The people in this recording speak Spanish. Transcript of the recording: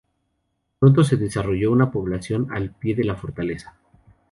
Pronto se desarrolló una población al pie de la fortaleza.